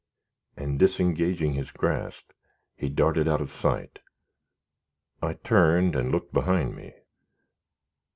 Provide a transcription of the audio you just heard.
and, disengaging his grasp, he darted out of sight I turned and looked behind me.